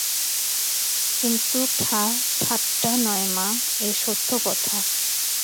কিন্তু ঠা ঠাট্টা নয় মা, এ সত্য কথা।